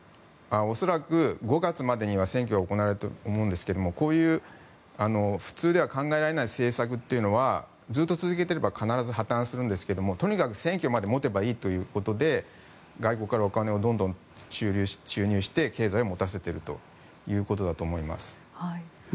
恐らく、５月までには選挙は行われると思うんですがこういう普通では考えられない政策というのはずっと続けていれば必ず破たんするんですがとにかく選挙までは持てばいいということで外国からお金をどんどん注入して経済を持たせているということだと思います。